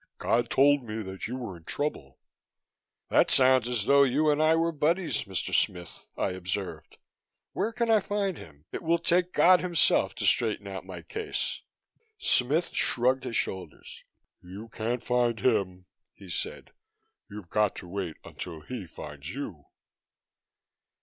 "God told me that you were in trouble." "That sounds as though you and I were buddies, Mr. Smith," I observed. "Where can I find Him? It will take God Himself to straighten out my case." Smith shrugged his shoulders. "You can't find Him," he said. "You've got to wait until He finds you."